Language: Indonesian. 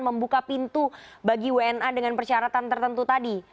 membuka pintu bagi wna dengan persyaratan tertentu tadi bu mas dalina